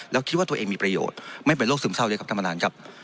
แล้วคิดว่าตัวเองมีประโยชน์ไม่เป็นโรคซึมเศร้าด้วยครับท่านประธานครับ